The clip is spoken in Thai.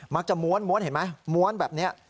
มักจะม้วนม้วนเห็นไหมม้วนแบบนี้